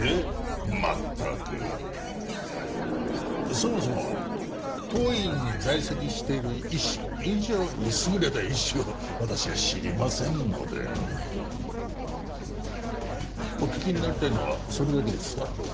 まったくそもそも当院に在籍している医師以上に優れた医師を私は知りませんのでお聞きになりたいのはそれだけですか？